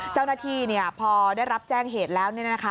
เจ้าหน้าที่เนี่ยพอได้รับแจ้งเหตุแล้วเนี่ยนะคะ